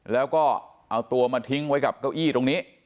แล้วก็เอาตัวมาทิ้งไว้กับเก้าอี้ตรงนี้